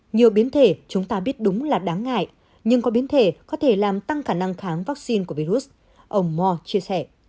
nhiều biến thể chúng ta biết đúng là đáng ngại nhưng có biến thể có thể làm tăng khả năng kháng vaccine của virus ông mor chia sẻ